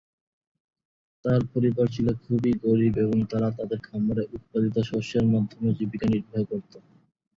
তার পরিবার ছিল খুবই গরিব এবং তারা তাদের খামারে উৎপাদিত শস্যের মাধ্যমে জীবিকা নির্বাহ করত।